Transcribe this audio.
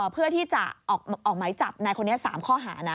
เพื่อที่จะออกหมายจับนายคนนี้๓ข้อหานะ